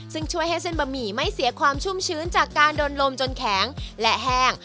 ซึ่งช่วยให้เส้นบะหมี่ไม่เสียความชุ่มชื้นจากการโดนลมจนแข็งและแห้ง